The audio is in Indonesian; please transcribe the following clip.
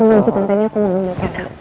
aku mau cuci kontennya aku mau minum teh